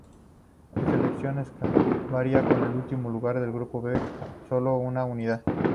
Su selección acabaría en el último lugar del Grupo B con solo una unidad.